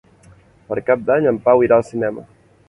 Per Cap d'Any en Pau irà al cinema.